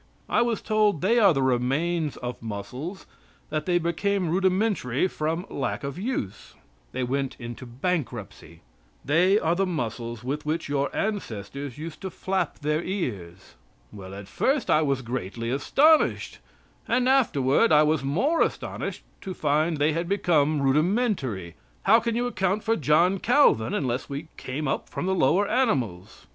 I was told: "They are the remains of muscles; that they became rudimentary from the lack of use." They went into bankruptcy. They are the muscles with which your ancestors used to flap their ears. Well, at first, I was greatly astonished, and afterward I was more astonished to find they had become rudimentary. How can you account for John Calvin unless we came up from the lower animals?